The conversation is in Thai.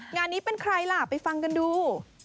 งานนี้เป็นใครล่ะไปฟังกันดู